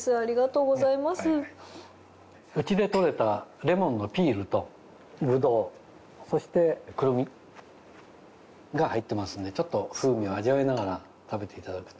うちで採れたレモンのピールとブドウそしてクルミが入ってますんでちょっと風味を味わいながら食べていただくと。